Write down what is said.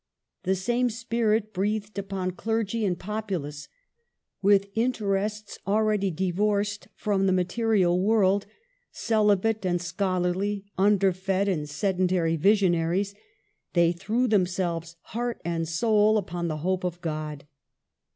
The same spirit breathed upon clergy and populace. With interests already divorced from the material world (celibate and scholarly, underfed and sedentary visionaries), they threw themselves, heart and soul, upon the hope of God.